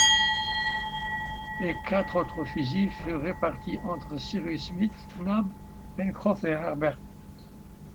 Les quatre autres fusils furent répartis entre Cyrus Smith, Nab, Pencroff et Harbert.